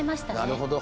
なるほど。